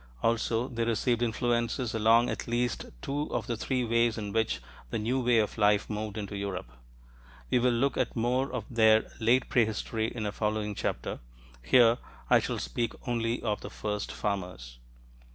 Also, they received influences along at least two of the three ways in which the new way of life moved into Europe. We will look at more of their late prehistory in a following chapter: here, I shall speak only of the first farmers.